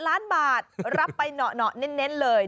๑๘ล้านบาทรับไปหนอเน้นเลย